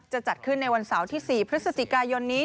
จะจัดขึ้นในวันเสาร์ที่๔พฤศจิกายนนี้